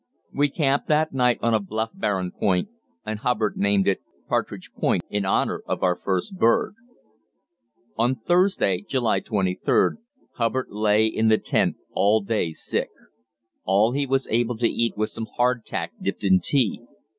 We camped that night on a bluff, barren point, and Hubbard named it "Partridge Point" in bonour of our first bird. On Thursday (July 23) Hubbard lay in the tent all day sick. All he was able to eat was some hardtack dipped in tea.